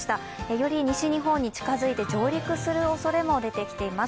より西日本に近づいて上陸するおそれも出てきています。